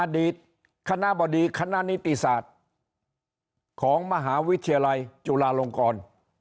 อดีตคณะบดีคณะนิติศาสตร์ของมหาวิทยาลัยจุฬาลงกร